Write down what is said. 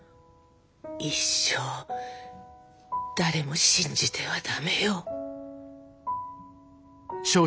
一生誰も信じてはダメよ。